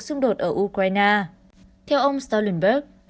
xung đột ở ukraine theo ông stoltenberg